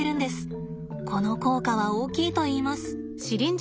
この効果は大きいといいます。